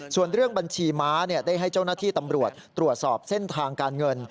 ส่วนเรื่องบัญชีม้าได้ให้เจ้าหน้าที่ตำรวจตรวจสอบเส้นทางการเงิน